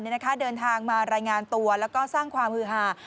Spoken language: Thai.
เดินทางมารายงานตัวแล้วก็สร้างความฮือหา